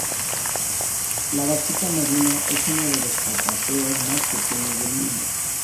La vaquita marina es uno de los cetáceos más pequeños del mundo.